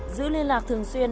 giữ liên lạc thường xuyên